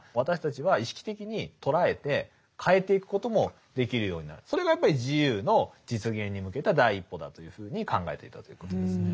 ただヘーゲルはそのそれがやっぱり自由の実現に向けた第一歩だというふうに考えていたということですね。